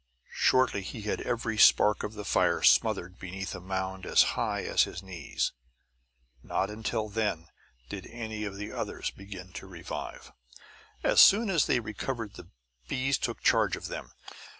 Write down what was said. Shortly he had every spark of the fire smothered beneath a mound as high as his knees. Not till then did any of the others begin to revive. As fast as they recovered the bees took charge of them.